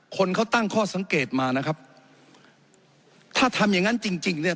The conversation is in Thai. คนเขาตั้งข้อสังเกตมานะครับถ้าทำอย่างงั้นจริงจริงเนี่ย